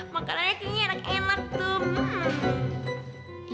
makanannya kayaknya enak enak tuh